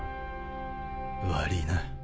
悪ぃな。